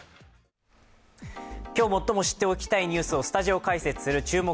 今日、最も知っておきたいニュースをスタジオ解説する「注目！